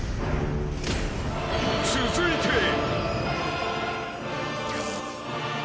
［続いて］